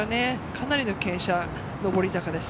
かなりの傾斜、上り坂です。